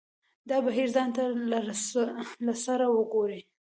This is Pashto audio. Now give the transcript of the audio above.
دا بهیر ځان ته له سره وګوري.